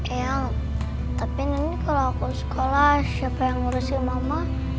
ya tapi nanti kalau aku sekolah siapa yang ngurusin mama